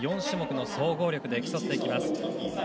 ４種目の総合力で競っていきます。